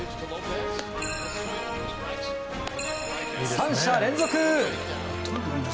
３者連続。